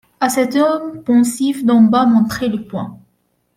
A cet homme pensif, d'en bas montré le poing ?